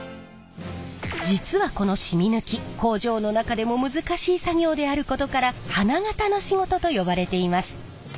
実はこのしみ抜き工場の中でも難しい作業であることから花形の仕事と呼ばれています。